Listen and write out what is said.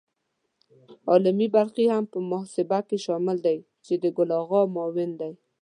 عالمي بلخي هم په محاسبه کې شامل دی چې د ګل آغا معاون دی.